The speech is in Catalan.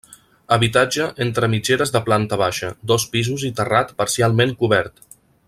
Habitatge entre mitgeres de planta baixa, dos pisos i terrat parcialment cobert.